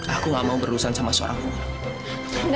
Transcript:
aku gak mau berurusan sama seorang umur